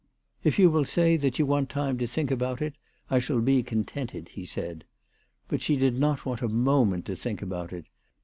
" If you will say that you want time to think about it, I shall be contented," he said. But she did not want a moment to think fibout it.